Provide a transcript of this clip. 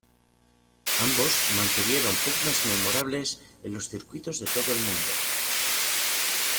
Ambos mantuvieron pugnas memorables en los circuitos de todo el mundo.